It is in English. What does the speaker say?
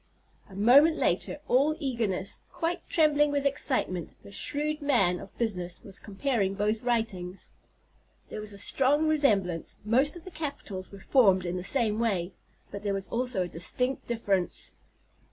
A moment later, all eagerness, quite trembling with excitement, the shrewd man of business was comparing both writings. There was a strong resemblance; most of the capitals were formed in the same way, but there was also a distinct difference.